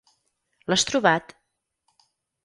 L'has trobat?